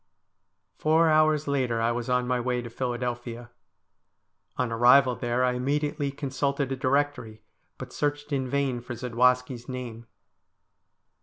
Four hours later I was on my way to Philadelphia. On arrival there I immediately consulted a directory, but searched in vain for Zadwaski' s name.